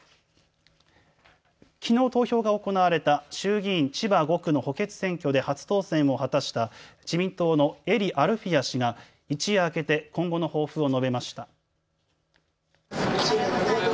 きのう投票が行われた衆議院千葉５区の補欠選挙で初当選を果たした自民党の英利アルフィヤ氏が一夜明けて今後の抱負を述べました。